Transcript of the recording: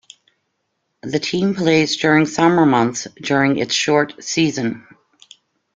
The team plays during summer months during its short season.